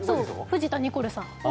藤田ニコルさん。